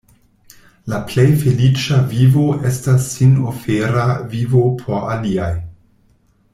La plej feliĉa vivo estas sinofera vivo por aliaj.